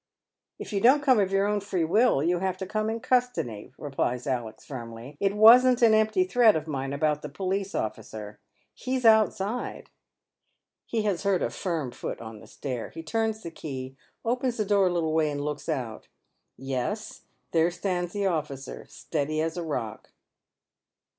" If you don't come of your own free will, you'll have to come in custody," replies Alexis, tii mly. " It wasn't an empty threat of mine about tlic police officer. He's outside." He has heard a firm foot on the stair. He turns the key, opens the door a little way, and looks out. Yes, there stands the officer, steady as a rock.